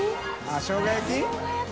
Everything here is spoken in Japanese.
△しょうが焼き？